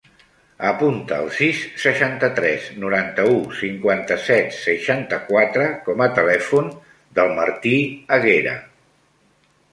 Apunta el sis, seixanta-tres, noranta-u, cinquanta-set, seixanta-quatre com a telèfon del Martí Aguera.